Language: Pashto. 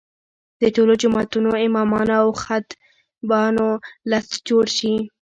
د ټولو جوماتونو امامانو او خطیبانو لست جوړ شي.